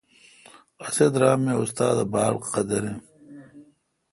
اسی درام می استادہ باڑقدر این